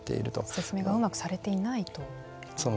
説明がうまくされていないと。